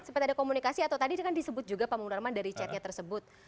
sempat ada komunikasi atau tadi kan disebut juga pak munarman dari chatnya tersebut